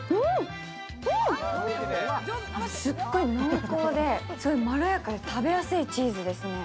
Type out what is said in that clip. すっごい濃厚でまろやかで食べやすいチーズですね。